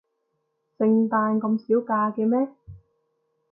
聖誕咁少假嘅咩？